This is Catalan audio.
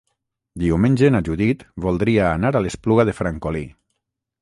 Diumenge na Judit voldria anar a l'Espluga de Francolí.